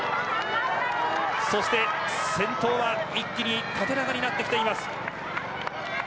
先頭は一気に縦長になってきています。